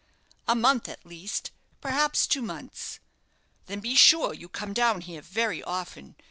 "A month, at least perhaps two months." "Then be sure you come down here very often.